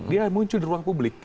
dia muncul di ruang publik